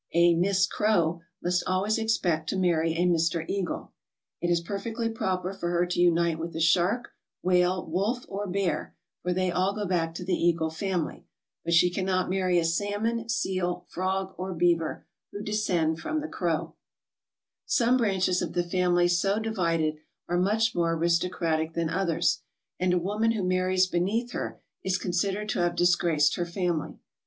A Miss Crow must always expect to marry a Mr. Eagle. It is perfectly proper for her to unite with a Shark, Whale, Wolf, or Bear, for they all go back to the Eagle family, but she cannot marry a Salmon, Seal, Frog, or Beaver, who descend from the Crow. 53 ALASKA OUR NORTHERN WONDERLAND Some branches of the families so divided are much more aristocratic than others, and a woman who marries beneath her is considered to have disgraced her family.